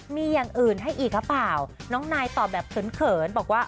มีอย่างอื่นให้อีกหรือเปล่าน้องนายตอบแบบเขินบอกว่า